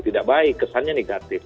tidak baik kesannya negatif